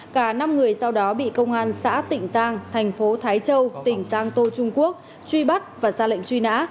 cả năm người sau đó bị công an xã tỉnh giang thành phố thái châu tỉnh giang tô trung quốc truy bắt và ra lệnh truy nã